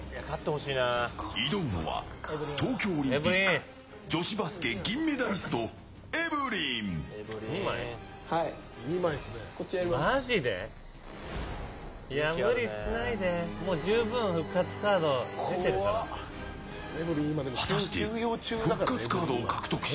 挑むのは、東京オリンピック女子バスケ銀メダリストこっちやります。